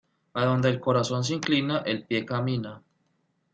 Adonde el corazón se inclina, el pie camina.